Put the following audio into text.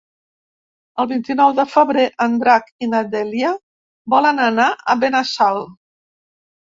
El vint-i-nou de febrer en Drac i na Dèlia volen anar a Benassal.